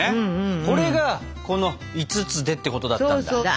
これがこの「５つで」ってことだったんだ。